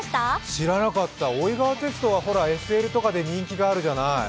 知らなかった、大井川鉄道はＳＬとかで人気があるじゃない。